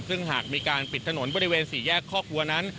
ซึ่งหากมีการปิดถนนบริเวณสี่แยกคอกวัวนั้น